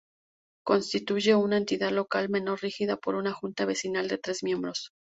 Constituye una Entidad Local Menor regida por una Junta Vecinal de tres miembros.